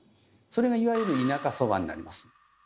それがいわゆる「田舎そば」になります。